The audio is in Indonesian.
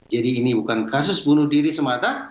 jadi ini bukan kasus bunuh diri semata